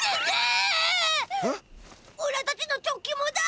おらたちのチョッキもだ！